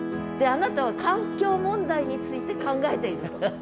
あなたは環境問題について考えていると。